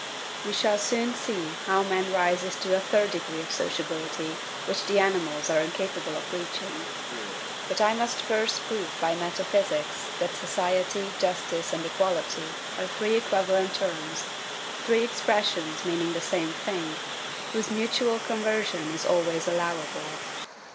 We shall soon see how man rises to a third degree of sociability which the animals are incapable of reaching. But I must first prove by metaphysics that SOCIETY, JUSTICE, and EQUALITY, are three equivalent terms, three expressions meaning the same thing, whose mutual conversion is always allowable.